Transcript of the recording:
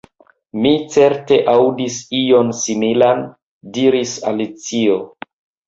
"Mi certe aŭdis ion similan," diris Alicio.